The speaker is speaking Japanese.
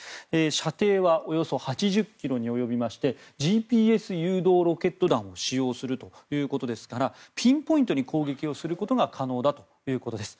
射程はおよそ８０ｋｍに及びましてＧＰＳ誘導ロケット弾を使用するということですからピンポイントに攻撃をすることが可能だということです。